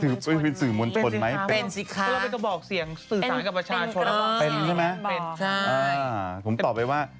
แต่ถ้าเป็นมดตำด้วยไม่ได้เรียนมีคนจะไม่รู้